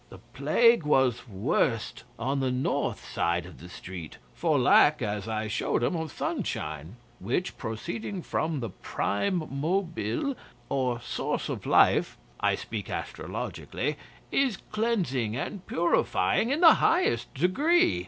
The plague was worst on the north side of the street, for lack, as I showed 'em, of sunshine; which, proceeding from the PRIME MOBILE, or source of life (I speak astrologically), is cleansing and purifying in the highest degree.